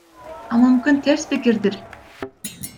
А мүмкүн терс пикирдир?